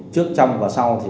trước trong và sau